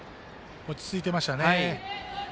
落ち着いていましたね。